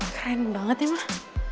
wah keren banget nih mah